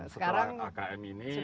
sekarang sudah tertib